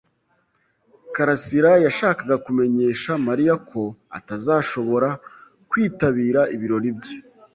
karasira yashakaga kumenyesha Mariya ko atazashobora kwitabira ibirori bye.